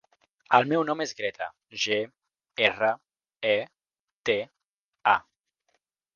El meu nom és Greta: ge, erra, e, te, a.